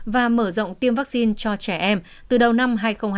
và mở rộng tiêm vaccine cho trẻ em từ đầu năm hai nghìn hai mươi